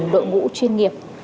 đội ngũ chuyên nghiệp